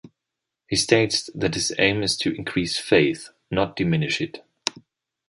He states that his aim is to increase faith, not diminish it.